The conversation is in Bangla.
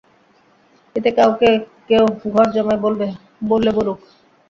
এতে আমাকে কেউ ঘরজামাই বললে বলুক।